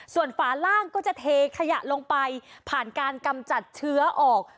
ส่วนฝาล่างก็จะเทขยะลงไปผ่านการกำจัดเชื้อออก